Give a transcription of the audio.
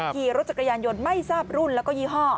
ขี่รถจักรยานยนต์ไม่ทราบรุ่นแล้วก็ยี่ห้อ